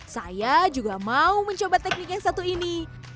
saya juga mau mencoba teknik yang satu ini